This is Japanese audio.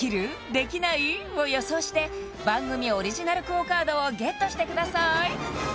できない？を予想して番組オリジナルＱＵＯカードをＧＥＴしてください